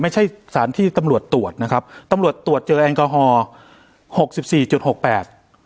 ไม่ใช่สารที่ตำรวจตรวจนะครับตำรวจตรวจเจอแอลกอฮอล์หกสิบสี่จุดหกแปด